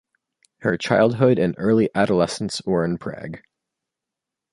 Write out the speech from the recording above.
Her childhood and early adolescence were in Prague.